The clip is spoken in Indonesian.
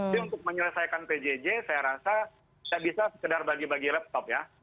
jadi untuk menyelesaikan pjj saya rasa kita bisa sekedar bagi bagi laptop ya